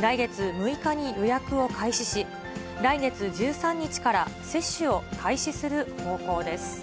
来月６日に予約を開始し、来月１３日から接種を開始する方向です。